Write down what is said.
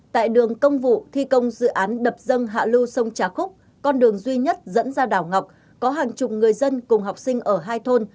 tại đường công vụ thi công dự án đập dâng hạ lưu sông trà khúc con đường duy nhất dẫn ra đảo ngọc có hàng chục người dân cùng học sinh ở hai thôn